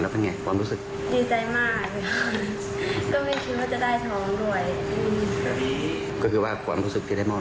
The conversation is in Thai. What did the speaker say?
แล้วก็เราคิดว่าวันหนึ่งเขาก็คงจะรักษาความมีความรู้สึกในวันนี้